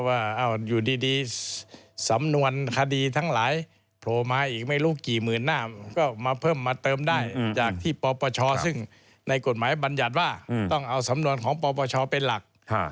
ว่าอยู่ดีสำนวนคดีทั้งหลายโผล่มาอีกไม่รู้กี่หมื่นหน้าก็มาเพิ่มมาเติมได้จากที่ปปชซึ่งในกฎหมายบรรยัติว่าต้องเอาสำนวนของปปชเป็นหลัก